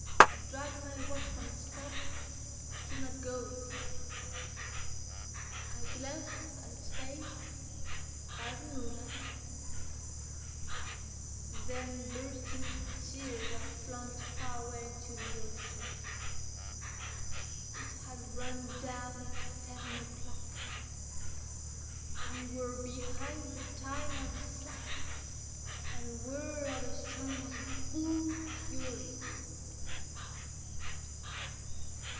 I dragged my watch from its fob. It was not going. I glanced at its face by the moonlight, and then burst into tears as I flung it far away into the ocean. _It had run down at seven o'clock! We were behind the time of the slack, and the whirl of the Ström was in full fury!